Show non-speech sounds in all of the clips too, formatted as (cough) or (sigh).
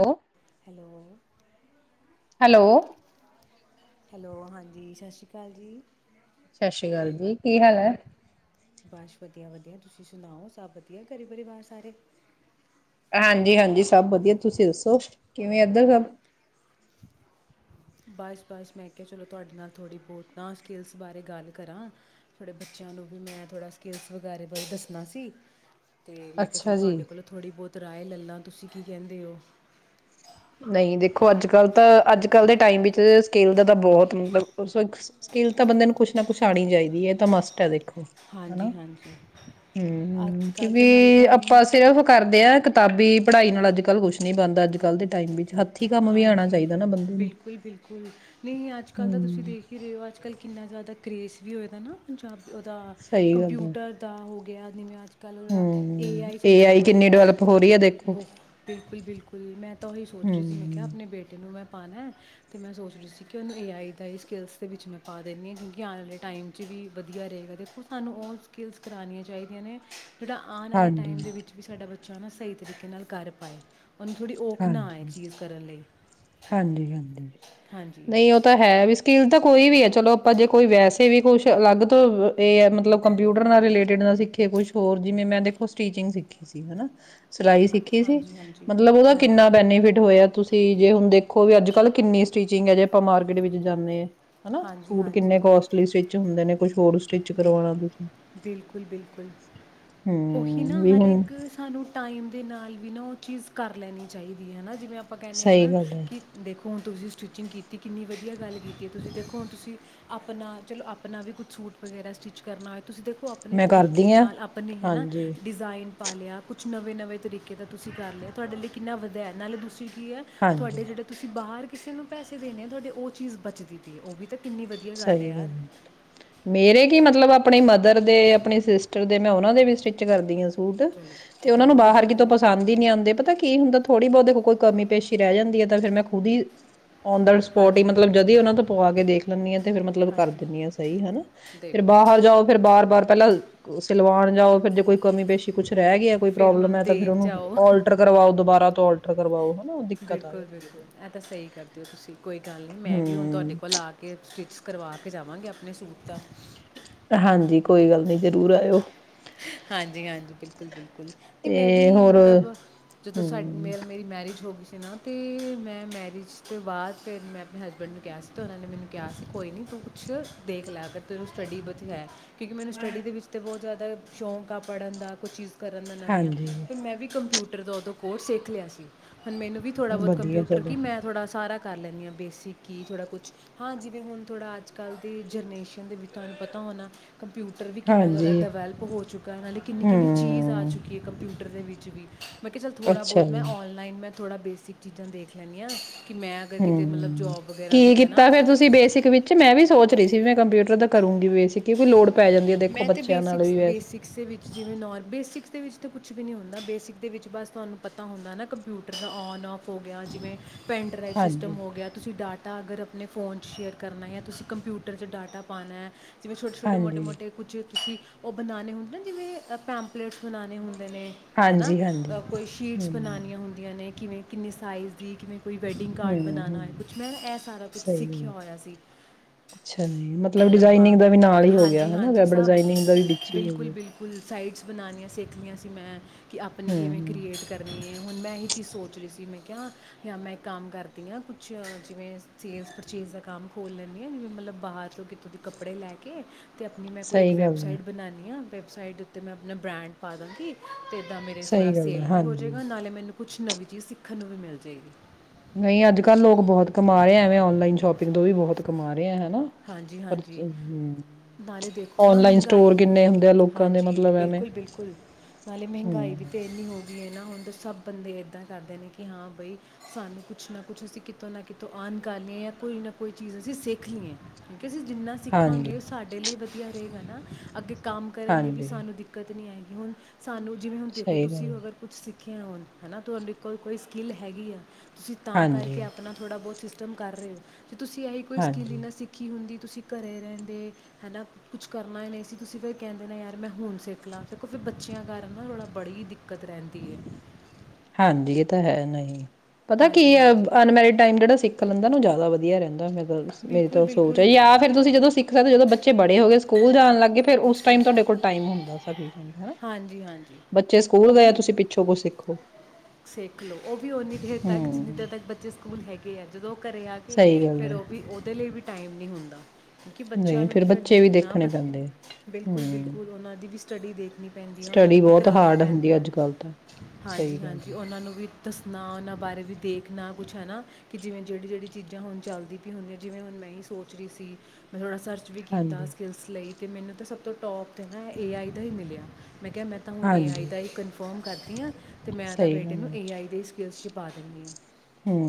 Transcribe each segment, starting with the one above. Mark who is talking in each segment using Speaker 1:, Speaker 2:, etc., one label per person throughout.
Speaker 1: Hello
Speaker 2: hello,
Speaker 1: hello
Speaker 2: hello ਹਾਂਜੀ, ਸਤਿ ਸ੍ਰੀ ਅਕਾਲ ਜੀ।
Speaker 1: ਸਤਿ ਸ੍ਰੀ ਅਕਾਲ ਜੀ, ਕੀ ਹਾਲ ਹੈ?
Speaker 2: ਬਸ ਵਧੀਆ -ਵਧੀਆ ਤੁਸੀਂ ਸੁਣਾਓ ਸਭ ਵਧੀਆ ਘਰੇ ਪਰਿਵਾਰ ਸਾਰੇ
Speaker 1: ਹਾਂਜੀ -ਹਾਂਜੀ, ਸਭ ਵਧੀਆ ਤੁਸੀਂ ਦੱਸੋ ਕਿਵੇਂ ਏਧਰ ਸਭ
Speaker 2: ਬਸ -ਬਸ ਮੈਂ ਕਿਹਾ- ਚਲੋ। ਤੁਹਾਡੇ ਨਾਲ ਥੋੜ੍ਹੀ ਬਹੁਤ ਨਾ ਸਕਿੱਲਸ ਬਾਰੇ ਗੱਲ ਕਰਾਂ ਥੋੜ੍ਹੇ ਬੱਚਿਆਂ ਨੂੰ ਵੀ ਮੈਂ ਥੋੜ੍ਹਾ ਸਕਿੱਲਸ ਵਗੈਰਾ ਬਾਰੇ ਦੱਸਣਾ ਸੀ। ਤੇ ਮੈਂ ਕਿਹਾ -ਚਲੋ
Speaker 1: ਅੱਛਾ ਜੀ
Speaker 2: ਤੁਹਾਡੇ ਕੋਲੋਂ ਥੋੜ੍ਹੀ ਬਹੁਤ ਟਰਾਏ ਲੈ ਲਾਂ ਤੁਸੀਂ ਕੀ ਕਹਿੰਦੇ ਹੋ?
Speaker 1: ਨਹੀਂ ਦੇਖੋ ਅੱਜ ਕੱਲ੍ਹ ਤਾਂ ਅੱਜ ਕੱਲ੍ਹ ਦੇ ਟਾਈਮ ਵਿੱਚ ਸਕਿੱਲ ਦਾ ਤਾਂ ਬਹੁਤ ਮਤਲਬ ਸੋ ਸਕਿੱਲ ਤਾਂ ਬੰਦੇ ਨੂੰ ਕੁਛ ਨਾ ਕੁਛ ਆਉਣੀ ਚਾਹੀਦੀ ਹੈ ਇਹ ਤਾਂ ਮਸਟ ਹੈ ਇੱਕ।
Speaker 2: ਹਾਂਜੀ
Speaker 1: ਹਨਾ,
Speaker 2: ਹਾਂਜੀ ਅੱਜ
Speaker 1: ਹਮ
Speaker 2: ਕੱਲ੍ਹ ਤਾਂ ਨਾਲੇ
Speaker 1: ਕਿਵੇ
Speaker 2: ਤੁਹਾਨੂੰ
Speaker 1: ਆਪਾਂ ਸਿਰਫ ਕਰਦੇ ਹਾਂ। ਕਿਤਾਬੀ ਪੜਾਈ ਨਾਲ ਅੱਜ- ਕੱਲ ਕੁਛ ਨੀ ਬਣਦਾ ਅੱਜ -ਕੱਲ੍ਹ ਦੇ ਟਾਈਮ ਵਿੱਚ ਹ
Speaker 2: ਹਾਂਜੀ ਬਿਲਕੁਲ ਬਿਲਕੁਲ ਨਹੀਂ ਅੱਜ ਕੱਲ੍ਹ ਤਾਂ ਤੁਸੀਂ
Speaker 1: ਹਮ
Speaker 2: ਦੇਖ ਹੀ ਰਹੇ ਹੋ ਅੱਜ ਕੱਲ੍ਹ ਕਿੰਨਾ ਜ਼ਿਆਦਾ ਕਰੇਜ਼ ਵੀ ਹੋਏ ਦਾ ਨਾ ਪੰਜਾਬ ਉਹਦਾ
Speaker 1: ਸਹੀ ਗੱਲ ਹੈ
Speaker 2: ਕੰਪਿਊਟਰ ਦਾ ਹੋ ਗਿਆ ਆਦ ਮੈਂ (unintelligible) ਕੱਲ੍ਹ ਉਹਦਾ ਏ
Speaker 1: ਹਮ
Speaker 2: ਆਈ ਚੱਲਿਆ ਹੋਇਆ
Speaker 1: ਕਿੰਨੀ
Speaker 2: ਹੈ
Speaker 1: ਡਿਵੈਲਪ ਹੋ ਰਹੀ ਹੈ ਦੇਖੋ
Speaker 2: ਓਫ ਬਿਲਕੁਲ ਬਿਲਕੁਲ ਮੈਂ ਤਾਂ ਉਹੀ ਸੋਚ ਰਹੀ ਸੀ ਮੈਂ ਕਿਹਾ
Speaker 1: ਹਮ
Speaker 2: ਆਪਣੇ ਬੇਟੇ ਨੂੰ ਮੈਂ ਪਾਉਣਾ ਹੈ ਅਤੇ ਮੈਂ ਸੋਚ ਰਹੀ ਸੀ ਕਿ ਉਹਨੂੰ ਏ ਆਈ ਦਾ ਹੀ ਸਕਿੱਲਸ ਦੇ ਵਿੱਚ ਮੈਂ ਪਾ ਦਿੰਦੀ ਹਾਂ ਕਿਉਂਕਿ ਆਉਣ ਵਾਲੇ ਟਾਈਮ 'ਚ ਵੀ ਵਧੀਆ ਰਹੇਗਾ ਦੇਖੋ ਸਾਨੂੰ ਉਹ ਸਕਿੱਲਸ ਕਰਉਣੀਆਂ ਚਾਹੀਦੀਆਂ ਨੇ ਜਿਹੜਾ ਆਣ ਵਾਲੇ ਟਾਈਮ
Speaker 1: ਹਾਂਜੀ,
Speaker 2: ਦੇ ਵਿੱਚ ਵੀ ਸਾਡਾ ਬੱਚਾ ਬੱਚਾ ਨਾ ਸਹੀ ਤਰੀਕੇ ਨਾਲ ਕਰ ਪਾਏ ਉਹਨੂੰ ਥੋੜ੍ਹੀ ਔਖ ਨਾ ਆਏ ਇਹ
Speaker 1: ਹਾਂਜੀ,
Speaker 2: ਚੀਜ਼ ਕਰਨ ਲਈ
Speaker 1: ਹਾਂਜੀ ਹਾਂਜੀ
Speaker 2: ਹਾਂਜੀ
Speaker 1: ਨਹੀਂ ਉਹ ਤਾਂ ਹੈ ਵੀ ਸਕਿੱਲ ਤਾਂ ਕੋਈ ਵੀ ਹੈ ਚਲੋ ਆਪਾਂ ਜੇ ਕੋਈ ਵੈਸੇ ਵੀ ਕੁਛ ਅਲੱਗ ਤੋਂ ਇਹ ਐ ਮਤਲਬ ਕੰਪਿਊਟਰ ਨਾਲ ਰਿਲੇਟਿਡ ਨਾ ਸਿੱਖੇ ਕੁਛ ਹੋਰ ਜਿਵੇਂ ਮੈਂ ਦੇਖੋ ਸਟੀਚਿੰਗ ਸਿੱਖੀ ਸੀ ਹਨਾ ਸਿਲਾਈ ਸਿੱਖੀ
Speaker 2: ਅੱਛਾ
Speaker 1: ਸੀ
Speaker 2: ਹਾਂਜੀ ਹਾਂਜੀ
Speaker 1: ਮਤਲਬ ਉਹਦਾ
Speaker 2: ਹਾਂਜੀ
Speaker 1: ਕਿੰਨਾ ਬੈਨੀਫਿਟ ਹੋਇਆ ਤੁਸੀਂ ਜੇ ਹੁਣ ਦੇਖੋ ਵੀ ਅੱਜ ਕੱਲ੍ਹ ਕਿੰਨੀ ਸਟਿਚਿੰਗ ਹੈ ਜੇ ਆਪਾਂ ਮਾਰਕੀਟ ਵਿੱਚ ਜਾਂਨੇ ਹਾਂ ਹਨਾ
Speaker 2: ਹਾਂਜੀ
Speaker 1: ਸੂਟ ਕਿੰਨੇ
Speaker 2: ਹਾਂਜੀ
Speaker 1: ਕੋਸਟਲੀ ਸਟਿੱਚ ਹੁੰਦੇ ਨੇ ਕੁਛ ਹੋਰ ਸਟਿਚ ਕਰਵਾਉਣਾ ਤੁਸੀਂ
Speaker 2: ਬਿਲਕੁਲ ਬਿਲਕੁਲ ਉਹੀ ਨਾ
Speaker 1: ਹੂੰ ਵੀ
Speaker 2: ਹਰ
Speaker 1: ਹੁਣ
Speaker 2: ਇੱਕ ਸਾਨੂੰ ਟਾਈਮ ਦੇ ਦੇ ਨਾਲ ਵੀ ਨਾ ਉਹ ਚੀਜ਼ ਕਰ ਲੈਣੀ ਚਾਹੀਦੀ ਐ ਜਿਵੇਂ ਆਪਾਂ ਕਹਿੰਨੇ ਆਂ
Speaker 1: ਸਹੀ
Speaker 2: ਨਾ
Speaker 1: ਗੱਲ ਹੈ
Speaker 2: ਕਿ ਦੇ ਹਣ ਤੁਸੀਂ ਸਟਿਚਿੰਗ ਕੀਤੀ ਕਿੰਨੀ ਵਧੀਆ ਗੱਲ ਕੀਤੀ ਹੈ ਤੁਸੀਂ ਦੇਖੋ ਹੁਣ ਤੁਸੀਂ ਆਪਣਾ ਚਲੋ ਆਪਣਾ ਵੀ ਕੁਝ ਸੂਟ ਵਗੈਰਾ ਸਟਿੱਚ ਕਰਨਾ ਹੋਏ ਤੁਸੀਂ ਦੇਖੋ ਉਹ ਆਪਣੇ
Speaker 1: ਮੈਂ
Speaker 2: ਤਰੀਕੇ
Speaker 1: ਕਰਦੀ ਹਾਂ।
Speaker 2: ਨਾਲ ਆਪਣੀ ਹੈ ਨਾ
Speaker 1: ਹਾਂਜੀ,
Speaker 2: ਡਿਜ਼ਾਇਨ ਪਾ ਲਿਆ ਕੁੱਛ ਨਵੇਂ ਨਵੇਂ ਤਰੀਕੇ ਦਾ ਤੁਸੀਂ ਕਰ ਲਿਆ ਤੁਹਾਡੇ ਲਈ ਕਿੰਨਾ ਵਧਆ ਨਾਲੇ ਦੂ ਚੰਗੀ ਹੈ ਤੁਹਾਡੇ
Speaker 1: ਹਾਂਜੀ
Speaker 2: ਜਿਹੜੇ ਤੁਸੀਂ ਬਾਹਰ ਕਿਸੇ ਨੂੰ ਪੈਸੇ ਦੇਣੇ ਆ ਤੁਹਾਡੇ ਉਹ ਚੀਜ਼ ਬਚਦੀ ਪਈ ਉਹ ਵੀ ਤੇ
Speaker 1: ਸਹੀ ਗੱਲ ਮੇਰੇ ਕਿ ਮਤਲਬ ਆਪਣੇ ਮ ਦੇ ਆਪਣੇ ਸਿਸ ਦੇ ਮੈਂ ਉਹਨਾਂ ਦੇ ਵੀ ਸਟਿੱਚ ਕਰਦੀ ਆਂ ਸ ਸੂਟ
Speaker 2: ਚਲੋ ਇਹ
Speaker 1: ਤੇ
Speaker 2: ਤਾਂ
Speaker 1: ਉਹਨਾ ਨੂੰ
Speaker 2: ਬਹੁਤ
Speaker 1: ਬਾਹਰ
Speaker 2: ਵਧੀਆ
Speaker 1: ਕਿਤੋਂ
Speaker 2: ਗੱਲ ਹੈ
Speaker 1: ਪਸੰਦ ਹੀ ਨੀ ਆਂਦੇ ਪਤਾ ਕੀ ਹੁੰਦਾ ਥੋੜ੍ਹੀ ਬਹੁਤ ਕੋਈ ਕਮੀ ਪੇਸ਼ੀ ਰਹਿ ਜਾਂਦੀ ਹੈ ਤਾਂ ਫ਼ਿਰ ਮੈਂ ਖੁਦ ਹੀ ਓਨ ਦਾ ਸਪੋਟ ਹੀ
Speaker 2: ਹਾਂਜੀ
Speaker 1: ਮਤਲਬ ਜਦ ਉਹਨਾਂ ਤੋਂ ਪਵਾ ਕੇ ਦੇਖ ਤੇ ਫਿਰ ਮਤਲਬ ਕਰ
Speaker 2: ਹਾਂਜੀ
Speaker 1: ਦਿੰਦੀ ਹਾਂ ਸਹੀ ਹਨਾ ਫਰ
Speaker 2: ਦੇਖੋ
Speaker 1: ਬਾਹਰ ਜਾਓ ਫਿਰ ਬਾਰ ਬਾਰ ਪਹਿਲਾਂ ਸਿਲਵਾਨ ਜਾਂ ਉਹ ਫਿਰ ਜੇ ਕੋਈ ਕਮੀ ਪੇਸ਼ੀ ਕੁਛ ਰਹਿ ਗਿਆ ਕੋਈ
Speaker 2: ਫਿਰ ਉਹਨਾਂ
Speaker 1: ਪ੍ਰੋਬਲਮ
Speaker 2: ਨੂੰ
Speaker 1: ਹੈ ਤਾਂ ਫੇਿਰ
Speaker 2: ਦੇਣ
Speaker 1: ਉਹਨੂੰ
Speaker 2: ਜਾਓ
Speaker 1: ਔਲਟਰ ਕਰਵਾਓ ਦੁਬਾਰਾ ਤੋਂਲ ਠ ਕਰਵਾਓ ਹਨਾ ਉਹ ਦਿੱਕਤ ਆ
Speaker 2: ਬਿਲਕੁਲ
Speaker 1: ਜਾਂਦੀ ਹੈ
Speaker 2: ਬਿਲਕੁਲ
Speaker 1: ਬਹੁਤ
Speaker 2: ਇਹ ਤਾਂ ਸਹੀ ਕਰਦੇ ਹੋ ਤੁਸੀਂ ਕੋਈ ਗੱਲ ਨਹੀਂੀ ਮੈਂ ਵੀ ਹੁਣ ਤੁਹਾਡੇ
Speaker 1: ਹਮ
Speaker 2: ਕੋਲ ਆ ਕੇ ਸਵਿ ਕਰਵਾ ਕੇ ਜਾਵਾਂਗੇ ਆਪਣੇ ਸੂਟ ਦਾ
Speaker 1: ਹਾਂਜੀ ਕੋਈ ਗੱਲ ਨਹੀਂੀ ਜਰੂਰ ਆਇਓ
Speaker 2: ਹਾਂਜੀ ਹਾਂਜੀ ਬਿਲਕੁਲ ਬਿਲਕੁਲ ਨਹੀਂ
Speaker 1: ਤੇ
Speaker 2: ਮੈਂ ਵੀ
Speaker 1: ਹੋਰ
Speaker 2: ਮਤਲਬ ਜਦੋਂ ਸਾਡੀ
Speaker 1: ਹਮ
Speaker 2: ਮੇ ਮੇਰੀ ਮੈਰਿਜ ਹੋ ਗਈ ਹੈ ਨਾ ਅਤੇ ਮੈਂ ਮੈਰਿਜ ਤੋਂ ਬਾਅਦ ਫਿਰ ਮੈਂ ਆਪਣੇ ਹਸਬੈਂਡ ਨੂੰ ਕਿਹਾ ਸੀ ਅਤੇ ਉਹਨਾਂ ਨੇ ਮੈਨੂੰ ਕਿਹਾ ਸੀ ਕੋਈ ਨਹੀਂ ਤੂੰ ਕੁਛ ਦੇਖ ਲੈ ਅਗ ਤੈਨੂੰ ਸਟੱਡੀ ਬ ਹੈ ਕਿਉਂਕਿ ਮੈਨੂੰ ਸਟੱਡੀ ਦੇ ਵਿੱਚ ਤਾਂ ਬਹੁਤ ਜ਼ਿਆਦਾ ਸ਼ੌਂਕ ਆ ਪੜ੍ਹਨ ਦਾ ਕੁਛ ਚੀਜ਼ ਕਰਨ ਦਾ ਨਵੀਆਂ
Speaker 1: ਹਾਂਜੀ,
Speaker 2: ਫਿਰ ਮੈਂ ਵੀ ਕੰਪਿਊਟਰ ਦਾ ਉਦੋਂ ਕੋਰਸ ਸਿੱਖ ਲਿਆ ਸੀ ਹੁਣ ਮੈੂੰ ਵੀਥੋੜ੍ਹਾ ਬਹੁਤ
Speaker 1: ਵਧੀਆ
Speaker 2: ਕੰਪਿਟਰ
Speaker 1: ਚਲੋ,
Speaker 2: ਕਿ ਮ ਥੋੜ੍ਹਾ ਸਾ ਕਰ ਲੈਂਦੀ ਹਾਂ ਬੇਸਿਕ ਹੀ ਥੋੜ੍ਹਾ ਕੁਛ ਹਾਂ ਜਿਵੇਂ ਹੁਣ ਥੋੜ੍ਹਾ ਅੱਜ ਕੱਲ੍ਹ ਦੀ ਜਨਰੇਸ਼ਨ ਦੇ ਵਿੱਚ ਤੁਹਾਨੂੰ ਪਤਾ ਹੋਣਾ ਕੰਪਿਊਟਰ ਵੀ ਕਿੰਨਾ
Speaker 1: ਹਾਂਜੀ,
Speaker 2: ਜ਼ਿਆਦਾ ਡਿਵੈਲਪ ਹੋ ਦੁਕਾਨਾਂ ਨਾਲੇ ਕਿੰਨੀ ਕਿੰਨੀ ਚੀਜ਼ ਆ
Speaker 1: ਹੂੰ,
Speaker 2: ਚੁੱਕੀ ਹੈ ਕੰਪਨੀ ਟਟਰ ਦੇ ਵਿੱਚ ਵੀ ਮੈਂ ਕਿਹਾ ਚ ਥੋੜਾ
Speaker 1: ਅੱਛਾ
Speaker 2: ਬਹੁਤ
Speaker 1: ਜੀ,
Speaker 2: ਮੈਂ ਔਨਲਾਈਨ ਮੈਂ ਥੋੜ੍ਹਾ ਬੇਸਿਕ ਚੀਜ਼ਾਂ ਦੇਖ ਲੈਂਦੀ ਹਾਂ ਕਿ ਮੈਂ ਅਗਰ ਕਿਤੇ ਮਤਲਬ
Speaker 1: ਹਮ
Speaker 2: ਜੋਬ ਵਗੈਰਾ ਵੀ
Speaker 1: ਕੀ
Speaker 2: ਕਰਾਂ
Speaker 1: ਕੀਤਾ ਫੇਿਰ ਤੁਸੀਂ ਬੇਸਿਕ ਵਿੱਚ ਮੈਂ ਵੀ ਸੋਚ ਰਹੀ ਸੀ ਮੈਂ ਕੰਪਿਊਟਰ ਦਾ ਕਰੂੰਗੀ ਵੀੇ
Speaker 2: ਮੈਂ ਤੇ ਬੇਸਿਕਸ
Speaker 1: ਵੀ ਵੈਸੇ,
Speaker 2: ਬੇਸਿਕਸ ਦੇ ਵਿੱਚ ਜਿਵੇਂ ਨ ਬੇਸਿਕਸ ਦੇ ਵਿੱਚ ਉਥ ਕੁਛ ਵੀ ਨਹੀਂ ਹੁੰਦਾ ਬੇਸਿਕ ਦੇ ਵਿੱਚ ਬਸ ਤੁਹਾਨੂੰ ਪਤਾ ਹੁੰਦਾ ਨਾ ਕੰਪਿਊਟਰ ਦਾ ਔਨ ਔਫ ਹੋ ਗਿਆ ਜਿਵੇਂ ਪੈਨ ਡਰਾਈਵ ਸਿਸਟਮ
Speaker 1: ਹਾਂਜੀ,
Speaker 2: ਹੋ ਗਿਆ ਤੁਸੀਂ ਡਾਟ ਡਾਟਾ ਅਗਰ ਆਪਣੇ ਫੋਨ 'ਚ ਸ਼ੇਅਰ ਕਰਨਾ ਜਾਂ ਤੁਸੀਂ ਕੰਪਿਊਟਰ 'ਚ ਡਾਟਾ ਪਉਣਾ ਹੈ ਜਿਵੇ ਛੋਟ ਛਟੇ
Speaker 1: ਹਾਂਜੀ।
Speaker 2: ਮਟੇਟੇ ਕੂਚ ਤੁਸੀਂ ਉਹ ਬਣਾਉਣੇ ਹੁੰਦੇ ਨਾ ਜਿਵੇਂ ਪੈਂਪਲੇਟਸ ਬਣਾਉਣੇ ਹੁੰਦੇ ਨੇ ਹਨਾ
Speaker 1: ਹਾਂਜੀ-ਹਾਂਜੀ,
Speaker 2: ਕੋਈ ਸ਼ੀਟਸ
Speaker 1: ਹੂੰ,
Speaker 2: ਬਣਾਉਣੀਆਂ ਹੁੰਦੀਆਂ ਨੇ ਕਿਵੇਂ ਕਿੰਨੀ ਸਾਈਜ਼ ਦੀ ਕਿਵੇਂ ਕੋਈ ਵੈਡਿੰਗ ਕਾਰਡ
Speaker 1: ਹੂੰ,
Speaker 2: ਬਣਾਉਣਾ
Speaker 1: ਹੂੰ,
Speaker 2: ਕੁਛ ਮੈਂ ਨਾ ਇਹ ਸਾਰਾ ਕੁਛ
Speaker 1: ਸਹੀ
Speaker 2: ਸਿੱਖਿਆ
Speaker 1: ਗੱਲ।
Speaker 2: ਹੋਇਆ ਸੀ
Speaker 1: ਅੱਛਾ ਜੀ,
Speaker 2: ਮਤਲਬ ਹਾਂ
Speaker 1: ਡਿਜ਼ਾਇਨਿੰਗ ਦਾ ਵੀ ਨਾਲ ਹੀ ਹੋ ਗਿਆ
Speaker 2: ਹਾਂਜੀ
Speaker 1: ਹਨਾ
Speaker 2: ਹਾਂਜੀ
Speaker 1: ਵੈਬ
Speaker 2: ਸਭ
Speaker 1: ਡਿਜ਼ਾਇਨਿੰਗ ਦਾ ਵੀ ਵਿੱਚ ਹੀ ਹੈ
Speaker 2: ਬਿਲਕੁਲ
Speaker 1: ਗਿਆ
Speaker 2: ਬਿਲਕੁਲ ਸਾਈਟਸ ਬਣਾਉਣੀਆਂ ਸਿੱਖਦੀੀਆਂ ਸੀ ਮੈਂ ਕਿ ਆਪਣੀ ਕਿਵੇ
Speaker 1: ਹੂੰ,
Speaker 2: ਕ੍ਰੀਏਟ ਕਰਨੀ ਐ। ਹੁਣ ਮੈਂ ਇਹੀ ਚੀਜ਼ ਸੋਚ ਰਹੀ ਸੀ ਮੈਂ ਕਿਹਾ ਜਾਂ ਮੈਂ ਕੰਮ ਕਰਦੀ ਹਾਂ ਕੁਛ ਜਿਵੇਂ ਸੇਲ ਪਰਚੇਜ਼ ਦਾ ਕੰਮ ਖੋਲ੍ਹ ਲੈਂਦੀ ਹਾਂ ਜਿਵੇਂ ਮਤਲਬ ਬਾਹਰ ਤੋਂ ਕਿੱਥੋਂ ਦੇ ਕੱਪੜੇ ਲੈ ਕੇ ਕੇ। ਅਤੇ ਆਪਣੀ ਮੈਂ ਕੋਈ ਇੱਕ
Speaker 1: ਸਹੀ ਗੱਲ ਹੈ,
Speaker 2: ਵੈੱਬਸਾਈਟ ਬਣਾਂਣੀ ਹਾਂ। ਵੈਬਸਾਈਟ ਉੱਤੇ ਮੈਂ ਆਪਣਾ ਬ੍ਰਾਂਡ ਪਾਂਦਗੀ। ਤੇ ਇਦਾਂ ਮੇਰੇ ਥੋੜ੍ਹਾ
Speaker 1: ਸਹੀ ਗੱਲ ਹੈ,
Speaker 2: ਸੇਲ ਵੀ
Speaker 1: ਹਾਂਜੀ।
Speaker 2: ਹੋਜੇ‍ਗਾ ਨਾਲੇ ਮੈਨੂੰ ਕੁਛ ਕੁਛ ਨਵੀਂ ਚੀਜ਼ ਸਿੱਖਣ ਨੂੰ ਵੀ ਮਿਲ ਜੇਗੀ।
Speaker 1: ਨਹੀਂ, ਅੱਜ ਕੱਲ੍ਹ ਲੋਕ ਬਹੁਤ ਕਮਾ ਰਹੇ ਐਵੇਂ ਔਨਲਾਈਨ ਸ਼ੋਪਿੰਗ ਤੋਂ ਵੀ ਬਹੁਤ ਕਮਾ ਰਹੇ। ਆ ਹਨਾ।
Speaker 2: ਹਾਂਜੀ
Speaker 1: ਪਰ
Speaker 2: ਹਾਂਜੀ,
Speaker 1: ਹਮ
Speaker 2: ਨਾਲੇ ਦੇਖੋ ਨਾ
Speaker 1: ਔਨਲਾਈਨ
Speaker 2: ਮਹਿੰਗਾਈ
Speaker 1: ਸਟੋਰ ਕਿੰਨੇ ਹੁੰਦੇ ਆ ਲੋਕਾਂ ਦੇ
Speaker 2: ਹਾਂਜੀ
Speaker 1: ਮਤਲਬ ਐਵੇਂ
Speaker 2: ਬਿਲਕੁਲ ਬਿਲਕੁਲ ਨਾਲੇ ਮਹਿੰਗਾਈ ਵੀ
Speaker 1: ਹਮ
Speaker 2: ਤੇ ਇੰਨੀ ਹੋ ਗਈ ਐ। ਨਾ ਹੁਣ ਤਾਂ ਸਭ ਬੰਦੇ ਇੱਦਾਂ ਕਰਦੇ ਨੇ ਕਿ ਹਾਂ ਬਈ ਸਾਨੂੰ ਕੁਛ ਨਾ ਕੁਛ ਅਸੀਂ ਕਿਤੋਂ ਨਾ ਕਿਤੋਂ ਰਨ ਕਰ ਲਈਏ ਜਾਂ ਕੋਈ ਨਾ ਕੋਈ ਚੀਜ਼ ਅਸੀਂ ਸਿੱਖ ਲਈਏ। ਕੀ ਜਿੰਨਾ
Speaker 1: ਹਾਂਜੀ
Speaker 2: ਸਿੱਖਾਂਗੇ ਉਹ ਸਾਡੇ ਲਈ ਵਧੀਆ। ਰਹੇਗਾ ਨਾ ਅੱਗੇ (inaudible) ਕੰਮ ਕਰਨ ਲਈ ਵੀ
Speaker 1: ਹਾਂਜੀ
Speaker 2: ਸਾਨੂੰ ਦਿੱਕਤ ਨਹੀਂ ਆਈ। ਹੂੰ। ਸਾਨੂੰ ਜਿਵੇਂ ਹੁਣ ਦੇਖੋ
Speaker 1: ਸਹੀ
Speaker 2: ਤੁਸੀਂ
Speaker 1: ਗੱਲ ਹੈ।
Speaker 2: ਅਗਰ ਕੁਛ ਸਿੱਖ ਕਿਹਾ ਹੁਣ ਹਨਾ ਤੁਹਾਡੇ ਕੋਲ ਕੋਈ ਸਕਿੱਲ ਹੈਗੀ ਹੈ ਤੁਸੀਂ ਤਾਂ
Speaker 1: ਹਾਂਜੀ
Speaker 2: ਕਰਕੇ ਆਪਣਾ ਥੋੜ੍ਹਾ ਬਹੁਤ (unintelligible) ਕਰ ਰਹੇਓ ਜੇ ਤੁਸੀਂ ਇਹੀ ਕੋਈ ਸਕਿੱਲ ਹੀ
Speaker 1: ਹਾਂਜੀ
Speaker 2: ਨਾ ਸਿੱਖੋ। ਹੁੰਦੀ ਤੁਸੀਂ ਘਰੇ ਰਹਿੰਦੇ ਹੈ ਨਾ ਕੁਛ ਕਰਨਾ ਹੀ ਨਹੀਂ ਸੀ ਤੁਸੀਂ ਫਿਰ ਕਹਿੰਦੇ ਨਾ ਯਾਰ ਮੈਂ ਹੁਣ ਸਿੱਖ ਲਾਂ ਦੇਖੋ ਫਿਰ ਬੱਚਿਆਂ ਕਾਰਨ ਨਾ ਥੋੜ੍ਹਾ ਬੜੀ ਦਿੱਕਤ ਰਹਿੰਦੀ ਹੈ।
Speaker 1: ਹਾਂਜੀ ਇਹ ਤਾਂ ਹੈ ਨਹੀਂ। ਪਤਾ ਕੀ
Speaker 2: ਹਾਂਜੀ ਹਾਂਜੀ
Speaker 1: ਅਨਮੈਰਿਡ ਟਾਈਮ ਜਿਹੜਾ ਸਿੱਖ ਲੈਂਦਾ ਨਾ ਉਹ ਜ਼ਿਆਦਾ ਵਧੀਆ ਰ (unintelligible) ਮੇਰੀ
Speaker 2: ਬਿਲਕੁਲ
Speaker 1: ਤਾਂ ਸੋਚ ਹੈ
Speaker 2: ਬਿਲਕੁਲ
Speaker 1: ਜਾਂ ਫਿਰ ਤੁਸੀਂ ਜਦੋਂ ਸਿੱਖ ਸਕਦੇ ਹੋ ਜਦੋਂ ਬੱਚੇ ਬੜੇ ਹੋ ਗਏ ਸਕੂਲ ਜਾਣ ਲੱਗ ਗਏ ਫੇਰ ਉਸ ਉਸ ਟਾਈਮ ਤੁਹਾਡੇ ਕੋਲ ਟਾਈਮ ਹੁੰਦਾ (unintelligible) ਹਨਾ
Speaker 2: ਹਾਂਜੀ ਹਾਂਜੀ
Speaker 1: ਬੱਚੇ ਸਕੂਲ ਗਏ
Speaker 2: ਉਹੀ
Speaker 1: ਤੁਸੀਂ ਪਿੱਛੋਂ ਕੁਛ ਸਿੱਖੋ।
Speaker 2: ਸਿੱਖ ਲਓ ਉਹ ਵੀ ਉਨੀ ਦੇਰ ਤੱਕ ਜਿੰਨੀ ਦੇਰ
Speaker 1: ਹਮ
Speaker 2: ਤੱਕ ਬੱਚੇ ਸਕੂਲ ਹੈਗੇ ਆ ਜਦੋਂ ਉਹ ਘਰੇ ਆ ਗਏ
Speaker 1: ਸਹੀ ਗੱਲ
Speaker 2: ਫਿਰ
Speaker 1: ਹੈ
Speaker 2: ਉਹ ਵੀ ਉਹਦੇ ਲਈ ਵੀ ਟਾਈਮ ਨਹੀਂ ਹੁੰਦਾ। ਕਿਉਂਕਿ ਬੱਚਿਆਂ
Speaker 1: ਨਹੀਂ
Speaker 2: ਨੂੰ ਵੀ ਫਿਰ
Speaker 1: ਬੱਚੇ
Speaker 2: ਦੇਖਣਾ
Speaker 1: ਦੇਖਣੇ
Speaker 2: ਬ
Speaker 1: ਪੈਂਦੇ ਆ
Speaker 2: ਬਿਲਕੁਲ
Speaker 1: ਹਮ
Speaker 2: ਬਿਲਕੁਲ ਉਹਨਾਂ ਦੀ ਵੀ ਸਟੱਡੀ ਦੇਖ। ਪੈਂਦੀ ਹੈ ਉਹਨਾਂ
Speaker 1: ਸਟੱਡੀ
Speaker 2: ਨੂੰ ਵੀ
Speaker 1: ਬਹੁਤ
Speaker 2: ਕਰਾਉਣਾ
Speaker 1: ਹਾਰਡ ਹੁੰਦੀ
Speaker 2: ਪੈਂਦਾ
Speaker 1: ਅੱਜ ਕੱਲ ਤਾਂ ਸਹੀ
Speaker 2: ਹਾਂਜੀ
Speaker 1: ਗੱਲ
Speaker 2: ਹਾਂਜੀ
Speaker 1: ਹੈ
Speaker 2: ਉਹਨਾਂ ਨੂੰ ਵੀ ਦੱਸਣਾ ਉਹਨਾਂ ਬਾਰੇ ਵੀ ਦੇਖਣਾ ਕੁਛ ਹੈ ਨਾ ਕਿ ਜਿਵੇਂ ਜਿਹੜੀ ਜਿਹੜੀ ਚੀਜ਼ਾਂ ਹੁਣ ਚੱਲਦੀ ਪਈ ਹੁੰਦੀਆਂ ਜਿਵੇਂ ਹੁਣ ਮੈਂ ਹੀ ਸੋਚ ਰਹੀ ਸੀ ਮੈਂ ਥੋੜ੍ਹਾ ਸਰ (unintelligible) ਕੀਤਾ
Speaker 1: ਹਾਂਜੀ
Speaker 2: ਸਕਿੱਲਸ ਲਈ ਅਤੇ ਮੈਨੂੰ ਤਾਂ ਸਭ ਤੋਂ ਟੋਪ ਤੇ ਨਾ ਏ ਆਈ ਦਾ ਹੀ ਮਿਲਿਆ। ਮੈਂ ਕਿਹਾ ਮੈਂ ਤਾਂ ਹੁਣ ਏ ਆਈ
Speaker 1: ਹਾਂਜੀ
Speaker 2: ਦਾ ਹੀ ਕਨਫਰਮ ਕਰਦੀਆਂ ਅਤੇ ਮੈਂ ਤਾਂ
Speaker 1: ਸਹੀ
Speaker 2: ਬੇਟੇ
Speaker 1: ਗੱਲ
Speaker 2: ਨੂੰ ਏ ਆਈ ਦੇ ਸਕਿੱਲਸ 'ਚ ਪਾ ਦਈਏ
Speaker 1: ਹੂੰ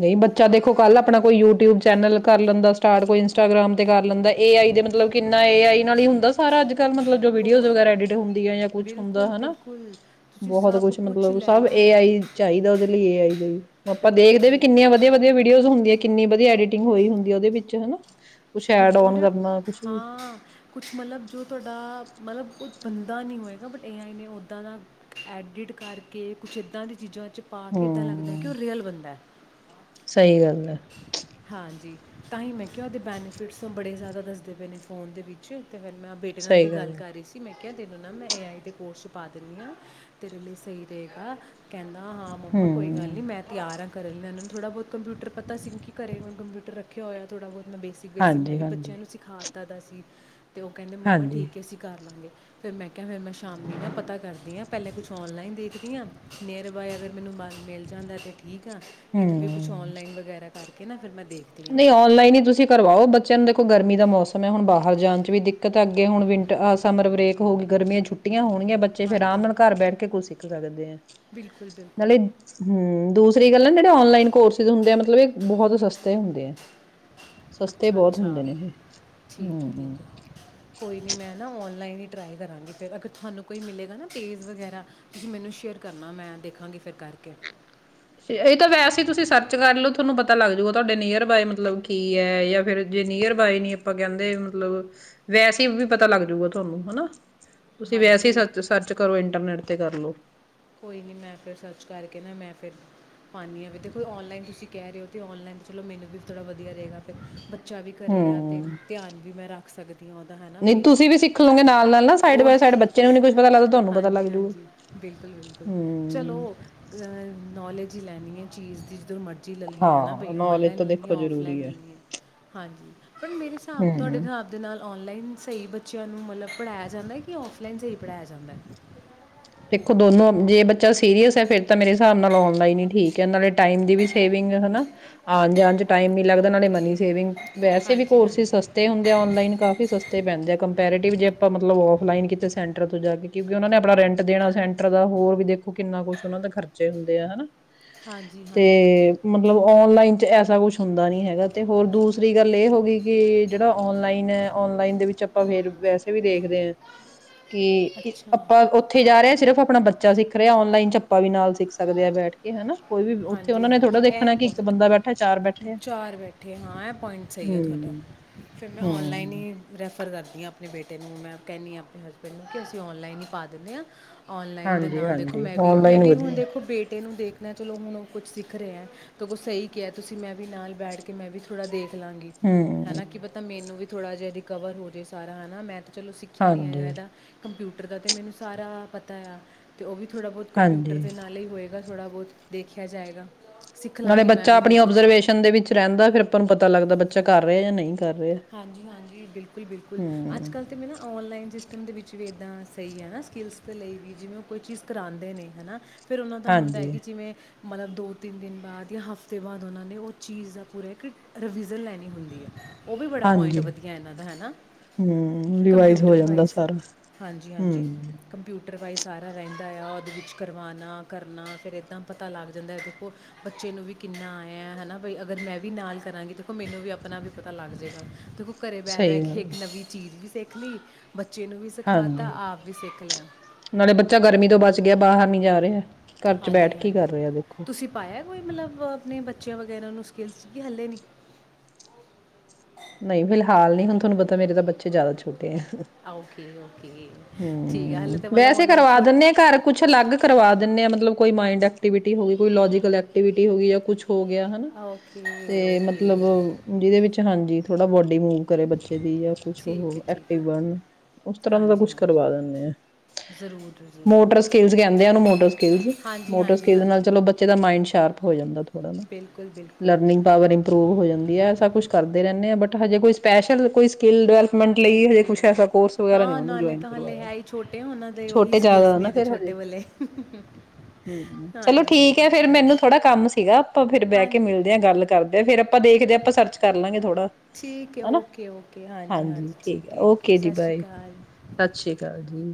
Speaker 1: ਨਹੀਂ ਬੱਚਾ ਦੇਖੋ ਕੱਲ ਆਪਣਾ ਕੋਈ ਯੂਟਿਊਬ ਚੈਨਲ ਕਰ ਲੈਂਦਾ ਸਟਾਰਟ ਕੋਈ ਇੰਸਟਾਗ੍ਰਾਮ ਤੇ ਕਰ ਲੈਂਦਾ ਏ ਆਈ ਮਤਲਬ ਕਿੰਨਾ ਏ ਆਈ ਨਾਲ ਹੀ ਹੁੰਦਾ ਸਾਰਾ ਅੱਜ ਕਲ ਮਤਲਬ ਵੀਡੀਓ
Speaker 2: ਹੋ
Speaker 1: ਵੈਰਾ ਐਡਿਟ ਹੁੰਦੀ ਆ ਕੁਛ ਹੁੰਦਾ
Speaker 2: ਬਿਲਕੁਲ ਬਿਲਕੁਲ ਤੁਸੀਂ
Speaker 1: ਬਹੁਤ
Speaker 2: ਸਭ
Speaker 1: ਕੁਛ
Speaker 2: ਕੁਝ
Speaker 1: ਮਤਲਬ
Speaker 2: ਲੈ
Speaker 1: ਸਭ ਏ
Speaker 2: ਲਓ
Speaker 1: ਆਈ ਚਾਹੀਦਾ ਓਦੇ ਏ ਆਈ ਦਾ। ਆਪਾਂ
Speaker 2: ਬਿਲਕੁਲ
Speaker 1: ਦੇਖਦੇ ਵੀ
Speaker 2: ਬਿਲਕੁਲ
Speaker 1: ਕਿੰਨੀਆਂ ਵਧੀਆ ਵਧਆ ਵੀਡੀਓਜ਼ ਹੁੰਦੀਆਂ। ਕਿੰਨੀ ਵਧੀਆ ਐਡੀਟਿੰਗ ਹੋਈ ਹੁੰਦੀ ਆ ਉਹਦੇ ਵਿੱਚ ਹਨਾ। ਕੁਛ ਐਡ ਓਨ
Speaker 2: ਬਿਲਕੁੱਲ
Speaker 1: ਕਰਨਾ ਕੁਛ ਵੀ
Speaker 2: ਹਾਂ ਕੁਛ ਮਤਲਬ ਜੋ ਤੁਹਾਡਾ ਮਤਲਬ ਕੋਈ ਬੰਦਾ ਨਹੀਂ ਹੋਏਗਾ ਬਟ ਏਆਈ ਨੇ ਉੱਦਾਂ ਦਾ ਐਡਿਟ ਕਰਕੇ ਕੁਛ ਇੱਦਾਂ ਦੀਆਂ ਚੀਜ਼ਾਂ ' ਪਾ ਕੇ ਇੱਦਾਂ ਲੱਗਦਾ ਕਿ
Speaker 1: ਹਮ
Speaker 2: ਉਹ ਰੀਅਲ ਬੰਦਾ ਹੈ।
Speaker 1: ਸਹੀ ਗੱਲ ਹੈ।
Speaker 2: ਤਾਂਹੀ ਮੈਂ ਕਿਹਾ ਉਹਦੇ ਬੈਨੀਫਿਟਸ ਬੜੇ ਜ਼ਿਆਦਾ ਦੱਸਦੇ ਪਏ ਨੇ ਫੋਨ ਦੇ ਵਿੱਚ। ਤੇ ਫਿਰ ਮੈਂ ਬੇਟੇ ਨਾਲ ਵੀ
Speaker 1: ਸਹੀ
Speaker 2: ਗੱਲ
Speaker 1: ਹੈ
Speaker 2: ਕਰ ਰਹੀ ਸੀ ਮੈਂ ਤੈਨੂੰ ਨਾ ਮੈਂ ਏ ਆਈ ਦੇ ਕੋਰਸ ਚ ਪਾ ਦਿੰਦੀ ਹਾਂ ਤੇਰੇ ਲਈ ਸਹੀ ਰਹੇਗਾ। ਕਹਿੰਦਾ ਹਾਂ ਮੰਮਾ ਕੋਈ ਗੱਲ
Speaker 1: ਹਮ
Speaker 2: ਨਹੀਂ ਮੈਂ ਤਿਆਰ ਹਾਂ। ਕਰਨ ਲੀ ਥੋੜਾ ਬਹੁਤ ਕੰਪਿਊਟਰ ਪਤਾ ਸੀ ਕਿ ਘਰੇ ਹੁਣ ਕੰਪਿਊਟਰ ਰੱਖਿਆ ਹੋਆ ਥੋੜ੍ਹਾ ਬਹੁਤ ਮੈਂ ਬੇਸਿਕ ਬੇਸਿਕ ਮੈਂ
Speaker 1: ਹਾਂਜੀ
Speaker 2: ਵੀ
Speaker 1: ਹਾਂਜੀ
Speaker 2: ਬੱਚਿਆਂ ਨੂੰ ਸਿਖਾ ਤਾ ਦਾ ਸੀ ਅਤੇ ਉਹ ਕਹਿੰਦੇ ਮੰਮਾ
Speaker 1: ਹਾਂਜੀ
Speaker 2: ਠੀਕ ਹੈ। ਅਸੀਂ ਕਰ ਲਵਾਂਗੇ। ਫਿਰ ਮੈਂ ਕਿਹਾ ਫਿਰ ਮੈਂ ਸ਼ਾਮੀ ਨਾ ਪਤਾ ਕਰਦੀ ਹਾਂ ਪਹਿਲਾਂ ਕੁਛ ਔਨਲਾਈਨ ਦੇਖਦੀ ਹਾਂ ਨੀਅਰ ਬਾਏ ਅਗਰ ਮੈਨੂੰ ਬ ਮਿਲ ਜਾਂਦਾ ਤੇ ਠੀਕ ਆ ਨਹੀਂ ਤਾਂ ਫਿਰ ਕੁਛ
Speaker 1: ਹਮ
Speaker 2: ਔਨਲਾਈਨ ਕਰਕੇ ਨਾ ਫੇਰ ਮੈਂ ਦੇਖਦੀ ਆ
Speaker 1: ਨਹੀਂ ਔਨਲਾਈਨ ਹੀ ਤੁਸੀਂ ਕਰਵਾਓ ਬੱਚਿਆਂ ਨੂੰ ਦੇਖੋ ਗਰਮੀ ਦਾ ਮੌਸਮ ਹੈ ਹੁਣ ਬਾਹਰ ਜਾਣ ਚ ਵੀ ਦਿੱਕਤ ਹੈ ਅੱਗੇ ਹੁਣ ਵਿੰਟਰ ਸਮਰ ਬਰੇਕ ਹੋ ਗਈ ਗਰਮੀਆਂ ਛੁਟੀਆਂ ਹੋਣ ਬੱਚੇ ਫੇਰ ਆਰਾਮ
Speaker 2: ਹਾਂਜੀ
Speaker 1: ਨਾਲ ਘਰ ਬੈਠ ਕੇ ਕੁਝ ਸਿੱਖ ਸਕਦੇ ਆ।
Speaker 2: ਬਿਲਕੁਲ ਬਿਲਕੁਲ
Speaker 1: ਨਾਲੇ ਹੂੰ ਦੂਸਰੀ ਗੱਲ ਹੈ ਜਿਹੜੇ ਔਨਲਾਈਨ ਕੋਰਸਿਸ ਹੁੰਦੇ ਆ। ਮਤਲਬ ਬਹੁਤ ਸਸਤਾ ਹੁੰਦੇ ਆ
Speaker 2: ਅੱਛਾ
Speaker 1: ਬਹੁਤ
Speaker 2: ਅੱਛਾ
Speaker 1: ਹੁੰਦੇ ਨੇ ਇਹ
Speaker 2: ਠੀਕ ਹੈ
Speaker 1: ਹਮ
Speaker 2: ਠੀਕ ਹੈ ਕੋਈ ਨੀ ਮੈਂ ਨਾ ਔਨਲਾਈਨ ਹੀ ਟਰਾਈ ਕਰਾਂਗੀ ਫਿਰ ਅਗਰ ਤੁਹਾਨੂੰ ਕੋਈ ਮਿਲੇਗਾ ਨਾ ਤੇਜ਼ ਵਗੈਰਾ ਤੁਸੀਂ ਮੈਨੂੰ ਸ਼ੇਅਰ ਕਰਨਾ ਮੈਂ ਦੇਖਾਂਗੀ ਫਿਰ ਕਰਕੇ।
Speaker 1: ਇਹ ਤਾਂ ਵੈਸੇ ਤੁਸੀਂ ਸਰਚ ਕਰ ਲੋ ਤੁਹਾਨੂੰ ਪਤਾ ਲੱਗ ਜੂ ਗਾ ਤੁਹਾਡੇ ਨੀਅਰ ਬਾਏ ਮਤਲਬ ਕੀ ਹੈ ਜਾਂ ਫਿਰ ਜੇ ਨੀਅਰ ਬਾਏ ਨੀਾਂ ਕਹਿੰਦੇ ਮਤਲਬ ਵੈਸੇ ਵੀ ਪਤਾ ਲੱਗ ਜੂ ਗਾ ਤੁਹਾਨੂੰ ਹਨਾ। ਤੁਸੀਂ
Speaker 2: ਹਾਂਜੀ
Speaker 1: ਵੈਸੇ
Speaker 2: ਚਲੋ
Speaker 1: ਹੀ ਸਰਚ ਕਰੋ ਇੰਟਰਨੈਟ ਤੇ ਕਰਲੋ। (unintelligible)
Speaker 2: ਕੋਈ ਨਹੀਂ ਮੈਂ ਫਿਰ ਸਰਚ ਕਰਕੇ ਨਾ ਮੈਂ ਫਿਰ ਪਾਉਂਦੀ ਹਾਂ ਵੀ ਦੇਖਈ ਔਨਲਾਈਨ ਤੁਸੀਂ ਕਹਿ ਰਹੇ ਹੋ ਅਤੇ ਔਨਲਾਈਨ ਚਲੋ ਮੈਨੂੰ ਵੀ ਥੋੜ੍ਹਾ ਵਧੀਆ ਰਹੇਗਾ ਫਿਰ ਬ ਬੱਚਾ ਵੀ ਕਰੇ ਆ ਤੇ
Speaker 1: ਹੂੰ
Speaker 2: ਧਿਆਨ ਵੀ ਮੈਂ ਰੱਖ ਸਕਦੇ
Speaker 1: ਨਹੀਂ ਤੁਸੀਂ ਵੀ ਸਿੱਖ ਲਓਗੇ ਨਾਲ ਨਾਲ ਨਾ ਸਾਈਡ
Speaker 2: ਹੋਰ
Speaker 1: ਬਾਏ ਸਾਈਡ
Speaker 2: ਕੀ
Speaker 1: ਬੱਚੇ ਨੂੰ ਵੀ ਨ ਕੁਛ ਪਤਾ ਲੱਗਦਾ ਤੁਹਾਨੂੰ ਪਤਾ ਲੱਗ ਜਾੂਗਾ
Speaker 2: ਕੁ ਚਲੋ (unintelligible) ਜ ਮਰਜ਼ ਲੈਏ ਲਾਈ
Speaker 1: ਹਾਂ
Speaker 2: ਲੈਲਾਈ
Speaker 1: ਨੌਲੇਜ ਤਾਂ ਦੇਖੋ ਜ਼ਰੂਰੀ ਐ।
Speaker 2: ਲੈ ਹਾਂਜੀ ਪਰ ਮੇਰੇ ਹਿਸਾਬ ਤੁਹਾਡੇ
Speaker 1: ਹੂੰ
Speaker 2: ਹਿਸਾਬ ਦੇ ਨਾਲ ਸ ਬੱਚਿਆਂ ਨੂੰ ਮਤਲਬ ਪੜ੍ਹਾਇਆ ਜਾਂਦਾ ਕਿ ਔਫਲਾਈਨ 'ਚ ਹੀ ਪੜ੍ਹਾਇਆ ਜਾਂਦਾ
Speaker 1: ਦੇਖੋ ਦੋਨੋ ਜੇ ਬੱਚਾ ਸੀਰੀਅਸ ਫੇਿਰ ਤਾਂ ਮੇਰੇ ਹਿਸਾਬ ਨਾਲ ਨ ਲਈਨ ਹੀ ਠੀਕ ਹੈ ਨਾਲੇਮ ਦੀ ਸੇਵਿੰਗ ਆ ਜਾਣ ਮ ਨ ਲੱਗਦਾ ਮਨੀ
Speaker 2: ਓਕੇ
Speaker 1: ਸੇਵਿੰਗ ਵੈਸੇ ਵੀ
Speaker 2: ਹਾਂਜੀ
Speaker 1: ਕੋਰਸ
Speaker 2: ਹਾਂਜੀ
Speaker 1: ਸਸ ਹੁੰਦੇ ਆ ਕਾਫੀ ਸਸਤੇ ਪੈਂਦੇ ਆਿ ਜੇਾਂ ਮਤਲਬ ਅਲਾਈਨ ਕੀਤੇ ਸੈਂਟਰ ਤੋਂ ਜਾ ਕੇ ਕਿਉਂਕਿ ਉਹਨਾਂ ਨੇ ਆਪਣਾ ਰੈਂਟ ਦੇਣਾ ਸੈਂਟਰ ਦਾ ਹੋਰ ਵੀ ਦੇਖੋ ਕਿੰਨਾ ਕੁਛ ਉਹਨਾਂ ਦੇ ਖਰਚੇ ਹੁੰਦੇ ਆ ਹਨਾ
Speaker 2: ਹਾਂਜੀ ਹਾਂਜੀ
Speaker 1: ਤੇ ਮਤਲਬ ਔਨਲਾਈਨ ਐਸਾ ਕੁਛ ਹੁੰਦਾ ਨੀ ਹੈਗਾ ਤੇ ਹੋਰ ਦੂਸਰੀ ਗੱਲ ਇਹ ਹੋ ਗਈ ਕਿ ਜਿਹੜਾ ਔਨਲਾਈਨ ਹੈ ਔਨਲਾਈਨ ਦੇ ਵਿੱਚ ਆਪਾਂ ਫੇਰ ਵੈਸੇ ਵੀ ਦੇਖਦੇ ਹ ਕੇ
Speaker 2: ਅੱਛਾ
Speaker 1: ਆਪਾਂ ਉੱਥੇ ਜਾ ਰਿਹਾ ਸਿਰਫ ਆਪਣਾ ਬੱਚਾ ਸਿੱਖ ਰਿਹਾ ਔਨਲਾਈਨ ਚੱ ਆਪਾਂ ਵੀ ਨਾਲ ਸਿੱਖ ਸਕਦੇ ਆ ਬੈਠ ਕੇ ਹਨਾ ਕੋਈ ਵੀ ਉੱਥੇ ਉਹਨਾਂ ਨੇ ਥੋੜਾ
Speaker 2: ਹਾਂਜੀ-ਹਾਂਜੀ ਇਹ
Speaker 1: ਦੇਖਣਾ ਕਿ ਇੱਕ
Speaker 2: ਪੁਆਇੰਟ
Speaker 1: ਬੰਦਾ ਬੈਠਾ ਚਾਰ ਬੈਠੇ ਆ
Speaker 2: ਚਾਰ ਬੈਠੇ ਹਾਂ ਇਹ ਪੁਆਇੰਟ ਸਹੀ ਹੈ ਤੁਹਾਡਾ
Speaker 1: ਹਮ
Speaker 2: ਫਿਰ ਮੈਂ ਔਨਲਾਈਨ
Speaker 1: ਹਮ
Speaker 2: ਹੀ ਰੈਫਰ ਕਰਦੀ ਹਾਂ ਆਪਣੇ ਬੇਟੇ ਨੂੰ ਮੈਂ ਕਹਿੰਦੀ ਹਾਂ ਆਪਣੇ ਹਸਬੈਂਡ ਨੂੰ ਕਿ ਅਸੀਂ ਔਨਲਾਈਨ ਹੀ ਪਾ ਦਿੰਦੇ ਹਾਂ ਔਨਲਾਈਨ ਦੇ
Speaker 1: ਹਾਂਜੀ
Speaker 2: ਨਾਲ ਦੇਖੋ
Speaker 1: ਹਾਂਜੀ
Speaker 2: ਮੈਂ ਵੀ, ਮੈਂ
Speaker 1: ਔਨਲਾਈਨ
Speaker 2: ਵੀ ਹੁਣ
Speaker 1: ਵਧੀਆ
Speaker 2: ਦੇਖੋ ਬੇਟੇ ਨੂੰ ਦੇਖ ਚਲੋ ਹੁਣ ਉਹ ਕੁਛ ਸਿੱਖ ਰਿਹਾ ਸਗੋਂ ਸਹੀ ਕਿਹਾ ਤੁਸੀਂ ਮੈਂ ਵੀ ਨਾਲ ਬੈਠ ਕੇ ਮੈਂ ਵੀ ਥੋੜ੍ਹਾ ਦੇਖ ਲਾਂਗੀ
Speaker 1: ਹਮ
Speaker 2: ਹੈਨਾ ਕੀ ਪਤਾ ਮੈਨੂੰ ਵੀ ਥੋੜ੍ਹਾ ਜਿਹਾ ਰਿਕਵਰ ਹੋ ਜਵੇ ਸਾਰਾ ਹੈ ਨਾ ਮੈਂਥ ਚਲੋ ਸਿੱਖਿਆ ਨਹੀਂ
Speaker 1: ਹਾਂਜੀ
Speaker 2: ਇਹਦਾ ਕੰਪਿਊਟਰ ਦਾ ਤੇ ਮੈਨੂੰ ਸਾਰਾ ਪਤਾ ਆ ਤੇ ਉਹ ਵੀ ਥੋੜ੍ਹਾ ਬਹੁਤ ਕੰਪਿਊਟਰ
Speaker 1: ਹਾਂਜੀ
Speaker 2: ਦੇ ਨਾਲ ਹੀ ਹੋਏਗਾ ਥੋੜਾ ਬਹੁਤ ਦੇਖਿਆ ਜਾਏਗਾ ਸਿੱਖ
Speaker 1: ਨਾਲੇ
Speaker 2: ਲਾਂਗੇ ਮੈਂ
Speaker 1: ਬੱਚਾ
Speaker 2: ਵੀ ਫਿਰ
Speaker 1: ਆਪਣੀ
Speaker 2: ਕੁਝ
Speaker 1: ਅਬਜਰਵੇਸ਼ਨ ਦੇ ਵਿੱਚ ਰਹਿੰਦਾ ਫਿਰ ਆਪਾਂ ਨੂੰ ਪਤਾ ਲੱਗਦਾ ਬ ਬੱਚਾ ਕਰ ਰਿਹਾ ਜਾਂ ਨਹੀਂ ਕਰ ਰਿਹਾ
Speaker 2: ਹਾਂਜੀ ਹਾਂਜੀ ਬਿਲਕੁਲ-ਬਿਲਕੁਲ ਅੱਜ
Speaker 1: ਹਮ
Speaker 2: ਕੱਲ੍ਹ ਤੇ ਮੈ ਨਾ ਔਨਲਾਈਨ ਜਿਸ ਮ ਦੇ ਵਿੱਚ ਵੀ ਇੱਦਾਂ ਸਹੀ ਹੈ ਨਾ ਸਕਿੱਲਸ ਦੇ ਲਈ ਵੀ ਜਿਵੇਂ ਉਹ ਕੋਈ ਚੀਜ਼ ਕਰਾਉਂਦੇ ਨੇ ਹੈ ਨਾ ਫਿਰ ਉਹਨਾਂ ਦਾ ਹੁੰਦਾ ਹੈ
Speaker 1: ਹਾਂਜੀ
Speaker 2: ਕਿ ਜਿਵੇਂ ਮਤਲਬ ਦੋ ਤਿੰਨ ਦਿਨ ਬਾਅਦ ਯਾ ਹਫ਼ਤੇ ਬਾਅਦ ਉਹਨਾਂ ਨੇ ਉਹ ਚੀਜ਼ ਦਾ ਪੂਰਾ ਇੱਕ ਰਿਵੀਜ਼ਨ ਲੈਣੀ ਹੁੰਦੀ ਹੈ। ਉਹ ਵੀ ਬੜਾ ਪੁਆਇੰਟ
Speaker 1: ਹਾਂਜੀ
Speaker 2: ਵਧੀਆ ਇਹਨਾਂ ਦਾ ਹੈਨਾ?
Speaker 1: ਹੂੰ ਰਿਵਾਈਜ਼ ਹੋ
Speaker 2: ਕੰਪਿਊਟਰ
Speaker 1: ਜਾਂਦਾ
Speaker 2: ਵਾਈਜ਼,
Speaker 1: ਸਾਰਾ ਹੂੰ
Speaker 2: ਹਾਂਜੀ-ਹਾਂਜੀ ਕੰਪਿਊਟਰ ਵਾਈਜ਼ ਸਾਰਾ ਰਹਿੰਦਾ ਆ ਉਹਦੇ ਵਿੱਚ ਕਰਵਾਉਣਾ, ਕਰਨਾ, ਫਿਰ ਏਦਾਂ ਪਤਾ ਲੱਗ ਜਾਂਦਾ ਏ, ਦੇਖੋ ਬੱਚੇ ਨੂੰ ਵੀ ਕਿੰਨਾ ਆਇਆ ਹੈਨਾ, ਬਈ ਅਗਰ ਮੈਂ ਵੀ ਨਾਲ ਕਰਾਂਗੀ ਦੇਖੋ ਮੈਨੂੰ ਵੀ ਆਪਣਾ ਵੀ ਪ ਤਾਂ ਲੱਗ ਜੇਗਾ, ਦੇਖੋ ਘਰੇ ਬਹਿ-ਬਹਿ
Speaker 1: ਸਹੀ
Speaker 2: ਕੇ
Speaker 1: ਗੱਲ
Speaker 2: ਇੱਕ ਨਵੀਂ ਚੀਜ਼ ਵੀ (unintelligible) ਬੱਚੇ ਨੂੰ ਵੀ ਸਿਖਾ ਤਾ,
Speaker 1: ਹਾਂਜੀ
Speaker 2: ਆਪ ਵੀ ਸਿੱਖ ਲਿਆ।
Speaker 1: ਨਾਲੇ ਬੱਚਾ ਗਰਮੀ ਤੋਂ ਬਚ ਗਿਆ ਬਾਹਰ ਨੀ ਜਾ ਰਿਹਾ ਏ।
Speaker 2: ਹਾਂਜੀ-ਹਾਂਜੀ ਤੁਸੀਂ ਪਾਇਆ ਕੋਈ ਮਤਲਬ ਅਪਣੇ ਬੱਚਿਆਂ ਵਗੈਰਾ ਨੂੰ ਸਕੂ ਲ ਚ ਕੀ ਹਲੇ ਨੀ?
Speaker 1: ਨਹੀਂ ਫਿਲਹਾਲ ਨਹੀਂ ਹੁਣ ਤੁਹਾਨੂੰ ਪਤਾ ਮੇਰੇ ਤਾਂ ਬੱਚੇ ਜ਼ਿਆਦਾ ਛੋ ਤੇ
Speaker 2: ਆ ਓਕੇ ਓਕੇ ਠੀਕ ਹੈ
Speaker 1: ਹਮ,
Speaker 2: ਹੱਲੇ ਤੇ ਮਤਲਬ
Speaker 1: ਵੈਸੇ
Speaker 2: ਉਹਨਾਂ ਦੀ
Speaker 1: ਕਰਵਾ ਦਿੰਣੇ
Speaker 2: ਛੋਟੀ
Speaker 1: ਹਾਂ ਘਰ ਕੁਛ ਅਲੱਗ ਕਰਵਾ ਦਿੰਣੇ ਆ, ਮਤਲਬ ਕੋਈ ਮਾਇੰਡ ਵਿਟੀ ਹੋ ਗਈ, ਕੋਈ ਲੋਜੀਕਲ ਐਕਟੀਵਿਟੀ ਹੋ ਗਈ, ਯਾ ਕੁਛ ਹੋ ਗਿਆ ਹੈਨਾ,
Speaker 2: ਓਕੇ
Speaker 1: ਤੇ ਮਤਲਬ
Speaker 2: ਓਕੇ
Speaker 1: ਜਿਹਦੇ ਵਿੱਚ ਹਾਂਜੀ (unintelligible) ਰੀ ਮੂਵ ਕਰੇ ਬੱਚੇ ਦੀ ਜਾਂ ਕੁਛ
Speaker 2: ਠੀਕ ਹੈ
Speaker 1: (unintelligible)
Speaker 2: ਠੀਕ
Speaker 1: ਐਕਟਿਵ
Speaker 2: ਹੈ
Speaker 1: ਬਣ, ਉਸ ਤਰ੍ਹਾਂ ਦਾ
Speaker 2: ਹਾਂਜੀ
Speaker 1: ਕੁਛ ਕਰਵਾ
Speaker 2: ਹਾਂਜੀ
Speaker 1: ਦਿੰਦੇ ਆ।
Speaker 2: ਜ਼ਰੂਰ ਜ਼ਰੂਰ
Speaker 1: ਮੋਟਰ ਸਕਿਲਸ ਕਹਿੰਦੇ ਆਨੂੰ ਮੋਟਰ ਸਕਿਲਸ,
Speaker 2: ਹਾਂਜੀ
Speaker 1: ਮੋਟੋ
Speaker 2: ਹਾਂਜੀ
Speaker 1: ਸਕਿਲਸ ਨਾਲ
Speaker 2: ਹਾਂਜੀ
Speaker 1: ਚਲੋ ਬੱਚੇ ਦਾ ਮਾਈੰਡ ਸ਼ ਸ਼ਾਰਪ ਹੋ ਜਾਂਦਾ ਥੋੜਾ ਨਾ
Speaker 2: ਬਿਲਕੁਲ ਬਿਲਕੁਲ
Speaker 1: ਲਰਨਿੰਗ ਪਾਵਰ ਇੰਪਰੂਵ ਹੋ ਜਾਂਦੀ ਏ, ਸਬ ਕੁੱਛ ਕਰ ਨਹੀਂ ਬਟ ਹਜੇ ਕੋਈ ਸਪੈਸ਼ਲ ਕੋਈ ਸਕਿੱਲ ਡਿਵੈਲਪ ਮੇਨਟ ਲਈ ਹਜੇ
Speaker 2: ਓਕੇ
Speaker 1: ਕੁਛ ਐਸਾ ਕੋਰਸ ਵਗੈਰਾ ਨਹੀਂ
Speaker 2: ਹਾਂ
Speaker 1: ਓਹਨੂੰ
Speaker 2: ਨਾਲੇ
Speaker 1: ਜੋਇਨ
Speaker 2: ਤਾਂ ਹਾਲੇ
Speaker 1: ਕਰਵਾਆ।
Speaker 2: ਹੈ ਹੀ ਛੋਟੇ ਉਹਨਾਂ ਦੇ ਉਹੀ
Speaker 1: ਛੋਟੇ
Speaker 2: ਸਕਿੱਲਸ
Speaker 1: ਜਾਦਾ
Speaker 2: ਨੇ
Speaker 1: ਨਾ
Speaker 2: ਅਜੇ
Speaker 1: ਫਿਰ ਹਜੇ।
Speaker 2: ਛੋਟੇ ਵਾਲੇ
Speaker 1: ਹਮ ਚਲੋ
Speaker 2: ਹਾਂਜੀ
Speaker 1: ਠੀਕ
Speaker 2: ਹਾਂਜੀ
Speaker 1: ਆ ਫਿਰ ਮੈਨੂੰ ਥੋੜਾ ਕੰਮ ਸੀਗਾ, ਆਪਾਂ ਫਿਰ ਬਹਿ
Speaker 2: ਹਾਂ
Speaker 1: ਕੇ ਮਿਲਦੇ ਹਾਂ, ਗੱਲ ਕਰਦੇ ਆ ਫਿਰ ਅ ਆਪਾਂ ਦੇਖਦੇ, ਆਪਾਂ ਸਰਚ ਕਰ ਲਾਂਗੇ।
Speaker 2: ਠੀਕ ਹੈ
Speaker 1: ਹਨਾ
Speaker 2: ਓਕੇ-ਓਕੇ, ਹਾਂਜੀ-ਹਾਂਜੀ ਠੀਕ ਹੈ ਓਕੇ, ਸਤਿ ਸ਼੍ਰੀ ਅਕਾਲ।
Speaker 1: ਸਤਿ ਸ੍ਰੀ ਅਕਾਲ ਜੀ